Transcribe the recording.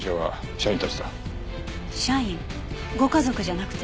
社員？ご家族じゃなくて？